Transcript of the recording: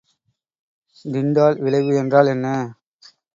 Tyndall விளைவு என்றால் என்ன?